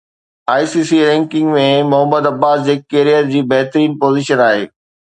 I C C ranking ۾ Mohammad Abbas جي career جي بهترين پوزيشن آهي